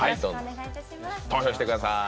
投票してください。